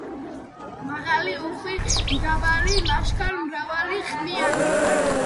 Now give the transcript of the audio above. მაღალი, უხვი, მდაბალი, ლაშქარ-მრავალი, ყმიანი